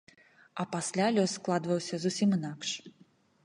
А пасля лёс складваўся зусім інакш.